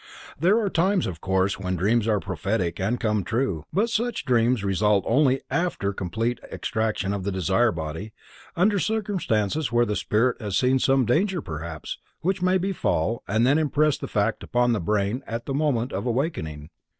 There are times of course when dreams are prophetic and come true, but such dreams result only after complete extraction of the desire body, under circumstances where the spirit has seen some danger perhaps, which may befall, and then impresses the fact upon the brain at the moment of awakening.